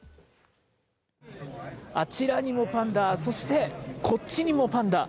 あちらにもパンダ、そして、こっちにもパンダ。